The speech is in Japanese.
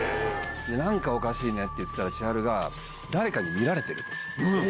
なんかおかしいねって言ってたら、ＣＨＩＨＡＲＵが、誰かに見られてると。